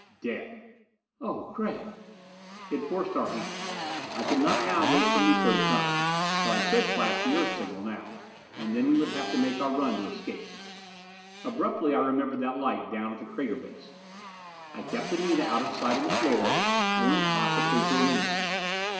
"Dead!" "Oh, Gregg " It forced our hand. I could not wait now for Miko to come. But I could flash the Earth signal now, and then we would have to make our run to escape. Abruptly I remembered that light down at the crater base! I kept Anita out of sight on the floor and went cautiously to a window.